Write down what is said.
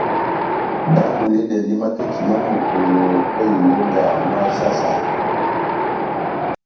Babulidɛndi maketi má Mukolo ó ilonga má saha-saha.